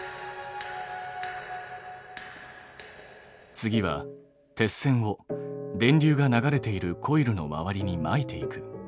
次は鉄線を電流が流れているコイルの周りにまいていく。